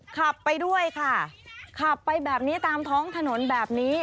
ขับไปด้วยค่ะขับไปแบบนี้ตามท้องถนนแบบนี้